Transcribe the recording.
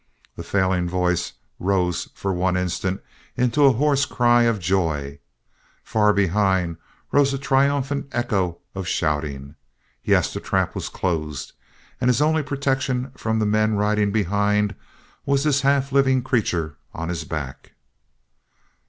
The failing voice rose for one instant into a hoarse cry of joy. Far behind, rose a triumphant echo of shouting. Yes, the trap was closed, and his only protection from the men riding behind was this half living creature on his back.